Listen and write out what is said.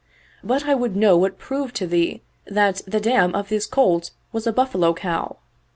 But I would know what proved to thee that the dam of this colt was a buffalo cow